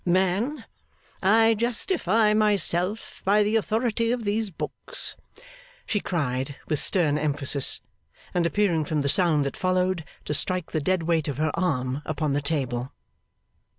'Man! I justify myself by the authority of these Books,' she cried, with stern emphasis, and appearing from the sound that followed to strike the dead weight of her arm upon the table.